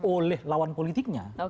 oleh lawan politiknya